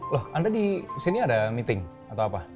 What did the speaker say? loh anda di sini ada meeting atau apa